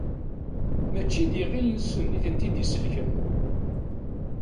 Mačči d iɣil-nsen i ten-id-isellken.